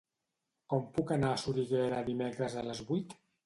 Com puc anar a Soriguera dimecres a les vuit?